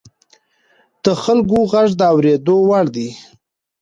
د خلکو غږ د اورېدو وړ دی